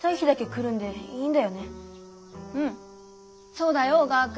そうだよ小川君。